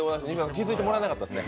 気付いてもらえなかったですね。